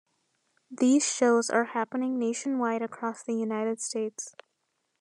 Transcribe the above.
These shows are happening nationwide across the United States.